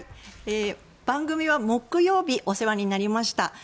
番組は木曜日お世話になりました。